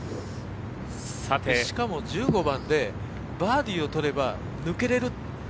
しかも１５番でバーディーを取れば抜けれる。